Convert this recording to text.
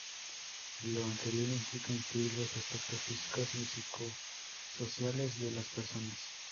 Lo anterior implica incluir los aspectos físicos y psicosociales de las personas.